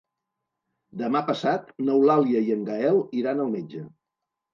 Demà passat n'Eulàlia i en Gaël iran al metge.